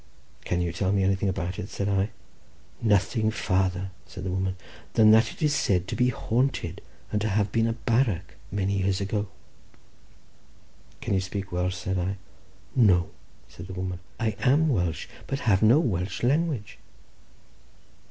"Can you tell me anything about it?" said I. "Nothing farther," said the woman, "than that it is said to be haunted, and to have been a barrack many years ago." "Can you speak Welsh?" said I. "No," said the woman; "I are Welsh, but have no Welsh language."